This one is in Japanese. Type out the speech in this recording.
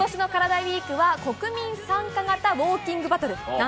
ＷＥＥＫは国民参加型ウォーキングバトル。